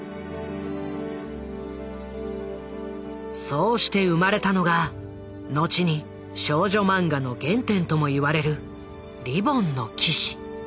そうして生まれたのが後に少女マンガの原点ともいわれる「リボンの騎士」。